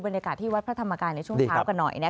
บรรยากาศที่วัดพระธรรมกายในช่วงเช้ากันหน่อย